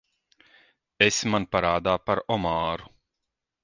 Esi man parādā par omāru.